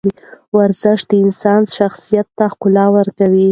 ورزش د انسان شخصیت ته ښکلا ورکوي.